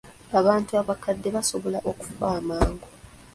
Abantu abakadde basobola okufa amangu.